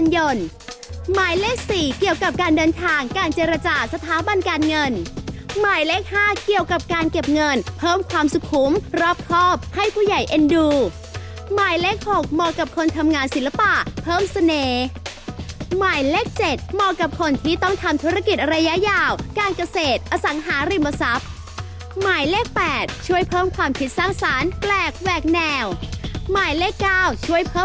มีความรู้สึกว่ามีความรู้สึกว่ามีความรู้สึกว่ามีความรู้สึกว่ามีความรู้สึกว่ามีความรู้สึกว่ามีความรู้สึกว่ามีความรู้สึกว่ามีความรู้สึกว่ามีความรู้สึกว่ามีความรู้สึกว่ามีความรู้สึกว่ามีความรู้สึกว่ามีความรู้สึกว่ามีความรู้สึกว่ามีความรู้สึกว